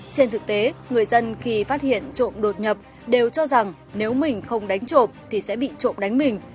trên thực tế người dân khi phát hiện trộm đột nhập đều cho rằng nếu mình không đánh trộm thì sẽ bị trộm đánh mình